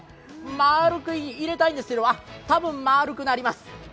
丸く入れたいんですけどたぶん丸くなります。